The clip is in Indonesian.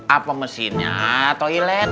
apa mesinnya toilet